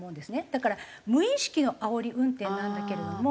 だから無意識のあおり運転なんだけれども。